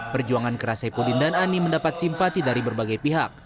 perjuangan keras saipudin dan ani mendapat simpati dari berbagai pihak